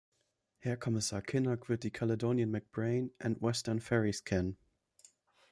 Herr Kommissar Kinnock wird die Caledonian McBrayne and Western Ferries kennen.